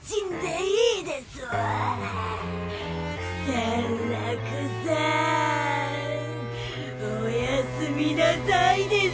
サンラクさぁんおやすみなさいです